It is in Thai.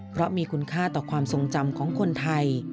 เพราะมีคุณค่าต่อความทรงจำของคนไทย